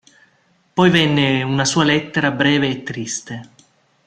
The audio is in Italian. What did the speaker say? Poi venne una sua lettera breve e triste.